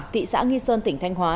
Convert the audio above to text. thị xã nghi sơn tỉnh thanh hóa